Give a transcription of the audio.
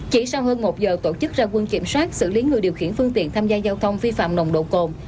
chỉ sau hơn một giờ tổ chức ra quân kiểm soát xử lý người điều khiển phương tiện tham gia giao thông vi phạm nồng độ cồn